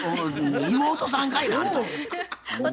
妹さんかいなあんた。